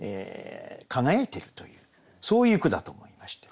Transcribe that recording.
輝いてるというそういう句だと思いました。